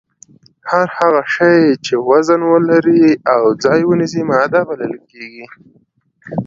هر هغه شی چې وزن ولري او ځای ونیسي ماده بلل کیږي